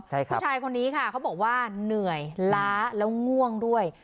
ใช่ค่ะผู้ชายคนนี้ค่ะเขาบอกว่าเหนื่อยล้าแล้วง่วงด้วย